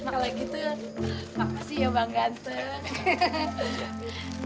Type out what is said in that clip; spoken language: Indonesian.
kalau gitu makasih ya bang gantung